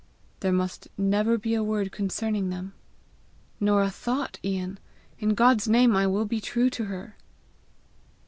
"There must never be a word concerning them!" "Nor a thought, Ian! In God's name I will be true to her."